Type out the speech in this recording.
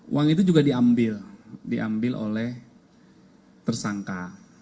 uang itu juga diambil diambil oleh tersangka